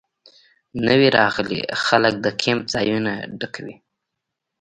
نوي راغلي خلک د کیمپ ځایونه ډکوي